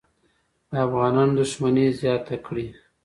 د افغانانو دښمني زیاته کړي.